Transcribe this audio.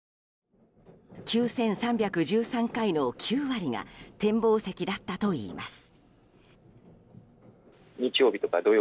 ９３１３回の９割が展望席だったといいます。